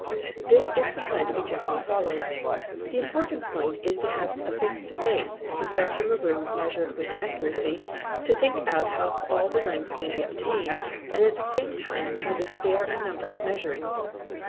a This is the plan to be generally followed. The important point is to have a fixed base, to start from a room measured with accuracy, to think out how all the lengths may be obtained, and at the same time how to spare a number of measurings.